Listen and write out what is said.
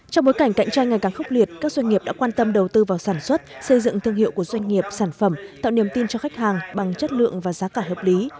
trong bối cảnh cạnh tranh ngày càng khốc liệt các doanh nghiệp đã quan tâm đầu tư vào sản xuất xây dựng thương hiệu của doanh nghiệp sản phẩm tạo niềm tin cho khách hàng bằng chất lượng và giá cả hợp lý